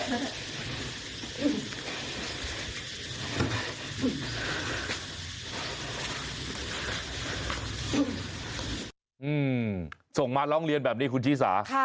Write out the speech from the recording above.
อืมส่งมาร้องเรียนแบบนี้คุณชีสา